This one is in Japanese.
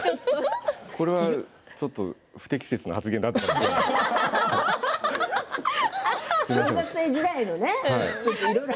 これはちょっと不適切な発言だったかもしれない。